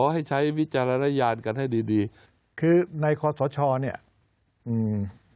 ให้ใช้วิจารณญาณกันให้ดีดีคือในคอสชเนี่ยอืม